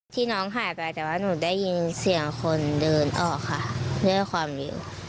ที่น้องหายไปแต่ว่าหนูได้ยินเสียงคนเดินออกค่ะด้วยความเร็ว